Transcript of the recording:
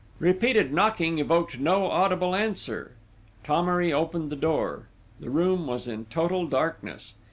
Repeated knocking evoked no audible answer. Thomery opened the door. The room was in total darkness.